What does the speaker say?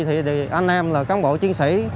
thì anh em là cán bộ chiến sĩ